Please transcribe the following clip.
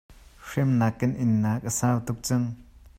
Hremnak kan innak a sau tuk cang.